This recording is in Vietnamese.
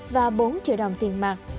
và bốn triệu đồng tiền mặt